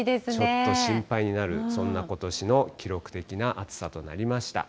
ちょっと心配になる、そんなことしの記録的な暑さとなりました。